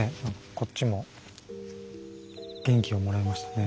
こっちも元気をもらえましたね。